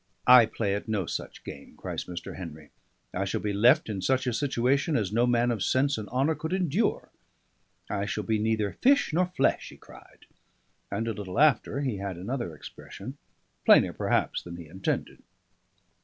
"I play at no such game," cries Mr. Henry. "I shall be left in such a situation as no man of sense and honour could endure. I shall be neither fish nor flesh!" he cried. And a little after he had another expression, plainer perhaps than he intended.